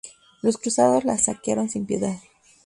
Los cruzados la saquearon sin piedad.